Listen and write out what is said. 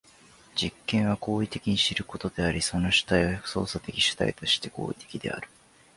実験は行為的に知ることであり、その主体は操作的主体として行為的である。